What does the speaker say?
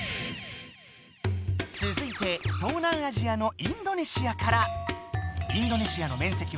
続いて東南アジアのインドネシアから。